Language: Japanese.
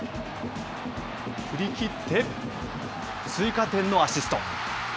振り切って、追加点のアシスト。